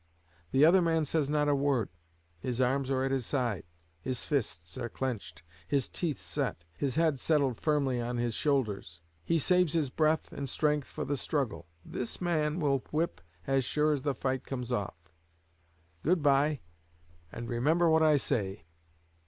The other man says not a word; his arms are at his side, his fists are clenched, his teeth set, his head settled firmly on his shoulders; he saves his breath and strength for the struggle. This man will whip, as sure as the fight comes off. Good bye, and remember what I say."